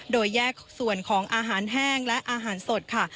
โดยแยกส่วนของอาหารแห้งและอาหารสดค่ะ